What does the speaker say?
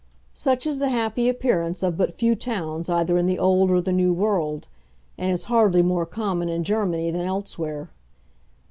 Such is the happy appearance of but few towns either in the old or the new world, and is hardly more common in Germany than elsewhere.